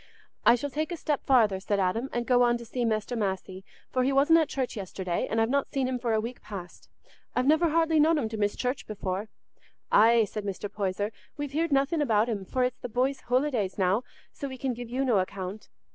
"I shall take a step farther," said Adam, "and go on to see Mester Massey, for he wasn't at church yesterday, and I've not seen him for a week past. I've never hardly known him to miss church before." "Aye," said Mr. Poyser, "we've heared nothing about him, for it's the boys' hollodays now, so we can give you no account."